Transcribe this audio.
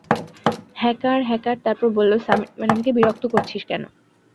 হ্যাঁকার, হ্যাঁকার তারপর বল সামিরা ম্যাডাম কে বিরক্ত করছিস কেন?